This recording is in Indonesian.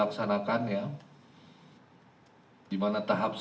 dan kemudian kita akan mencari kesempatan yang lebih jelas